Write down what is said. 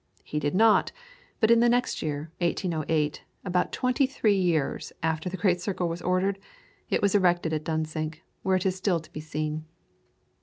He did not; but in the next year (1808), about twenty three years after the great circle was ordered, it was erected at Dunsink, where it is still to be seen.